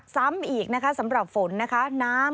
สวัสดีค่ะสวัสดีค่ะ